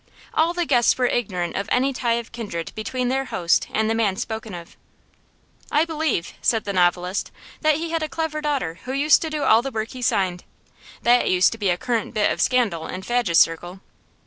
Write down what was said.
All the guests were ignorant of any tie of kindred between their host and the man spoken of. 'I believe,' said the novelist, 'that he had a clever daughter who used to do all the work he signed. That used to be a current bit of scandal in Fadge's circle.